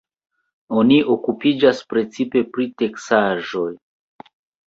Oni okupiĝas precipe pri teksaĵoj.